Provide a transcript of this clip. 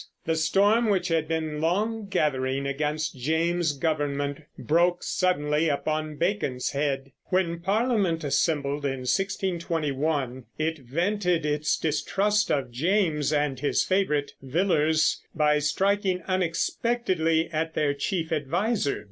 The storm which had been long gathering against James's government broke suddenly upon Bacon's head. When Parliament assembled in 1621 it vented its distrust of James and his favorite Villiers by striking unexpectedly at their chief adviser.